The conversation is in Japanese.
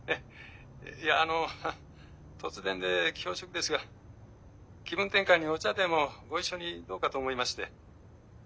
いやあの突然で恐縮ですが気分転換にお茶でもご一緒にどうかと思いまして。